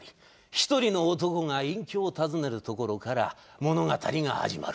一人の男が隠居を訪ねるところから物語が始まる。